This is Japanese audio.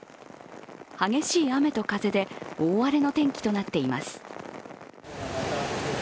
激しい雨と風で大荒れの天気となっています。